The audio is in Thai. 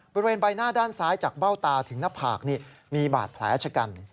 บริเวณใบหน้าด้านซ้ายจากเบ้าตาถึงหน้าผากมีบาดแผลชะกัน